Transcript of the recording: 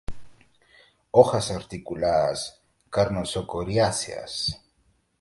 Hojas articuladas, carnoso-coriáceas.